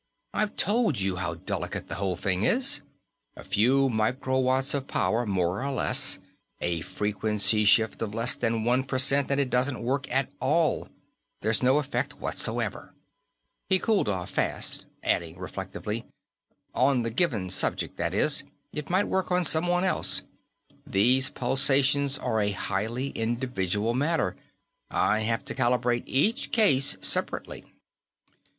I've told you how delicate the whole thing is. A few microwatts of power more or less, a frequency shift of less than one percent, and it doesn't work at all. There's no effect whatsoever." He cooled off fast, adding reflectively: "On the given subject, that is. It might work on someone else. These pulsations are a highly individual matter; I have to calibrate every case separately."